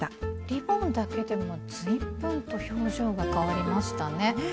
リボンだけでも随分と表情がかわりましたね。